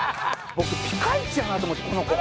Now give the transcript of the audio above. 僕ピカイチやなと思ってこの子。